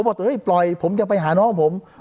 ผมบอกตัวเฮ้ยปล่อยผมจะไปหาน้องผมอ่า